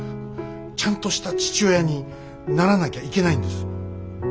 ちゃんとした父親にならなきゃいけないんです。